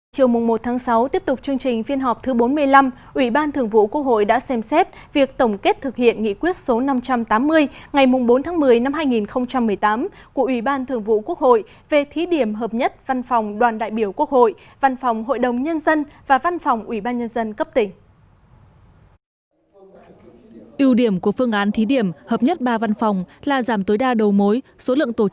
chiều một sáu tiếp tục chương trình phiên họp thứ bốn mươi năm ủy ban thường vụ quốc hội đã xem xét việc tổng kết thực hiện nghị quyết số năm trăm tám mươi ngày bốn một mươi hai nghìn một mươi tám của ủy ban thường vụ quốc hội về thí điểm hợp nhất văn phòng đoàn đại biểu quốc hội văn phòng hội đồng nhân dân và văn phòng ủy ban nhân dân cấp tỉnh